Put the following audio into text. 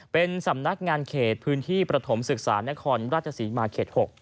เป็นสำนักงานเขตพื้นที่ประถมศึกษานครราชศรีมาเขต๖